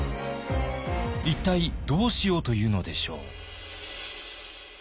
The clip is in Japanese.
一体どうしようというのでしょう？